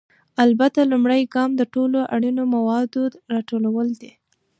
البته، لومړی ګام د ټولو اړینو موادو راټولول دي.